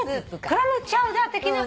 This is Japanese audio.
クラムチャウダー的な？